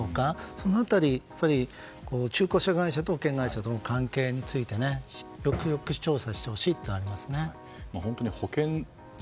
その辺り中古車会社と保険会社との関係についてよくよく調査してほしいですね。